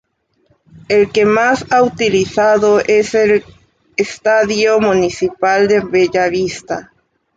El que más ha utilizado es el Estadio Municipal de Bellavista.